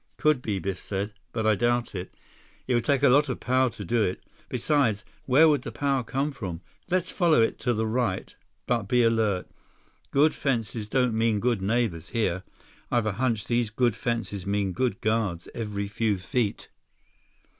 "Could be," Biff said, "but I doubt it. It would take a lot of power to do it. Besides, where would the power come from? Let's follow it, to the right. But be alert. Good fences don't mean good neighbors here. I've a hunch these good fences mean good guards every few feet."